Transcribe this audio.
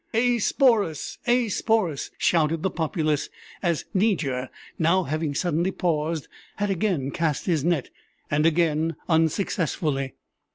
"A Sporus! a Sporus!" shouted the populace, as Niger, now having suddenly paused, had again cast his net, and again unsuccessfully.